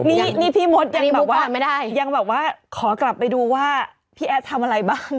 นี่นี่พี่มดยังบอกว่ายังแบบว่าขอกลับไปดูว่าพี่แอดทำอะไรบ้าง